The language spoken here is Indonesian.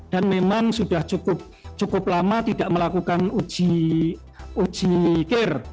memang sudah cukup lama tidak melakukan ujikir